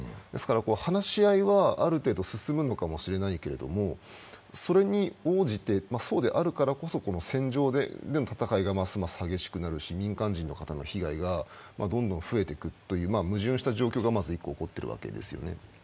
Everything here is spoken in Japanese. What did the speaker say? ですから話し合いはある程度進むのかもしれないけれど、それに応じて、そうであるからこそ戦場での戦いがますます激しくなるし、民間人の方の被害がどんどん増えてくるという矛盾した状況がまず１個起こっているわけでねす。